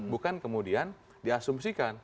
bukan kemudian diasumsikan